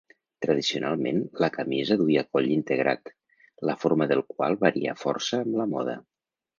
Tradicionalment la camisa duia coll integrat, la forma del qual varià força amb la moda.